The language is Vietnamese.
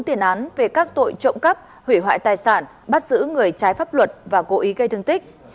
bốn tiền án về các tội trộm cắp hủy hoại tài sản bắt giữ người trái pháp luật và cố ý gây thương tích